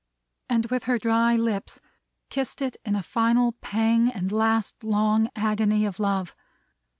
And with her dry lips, kissed it in a final pang, and last long agony of Love.